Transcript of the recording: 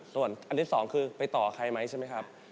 ส่วนอันที่สองคือไปต่อใครไหมใช่ไหมครับ